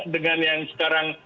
dengan yang sekarang